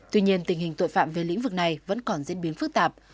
tuy nhiên tình hình tội phạm về lĩnh vực này vẫn còn diễn biến phức tạp